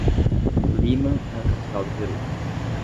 Lima é a capital do Peru.